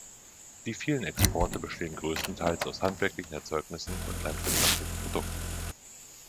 Die vielen Exporte bestehen größtenteils aus handwerklichen Erzeugnissen und landwirtschaftlichen Produkten.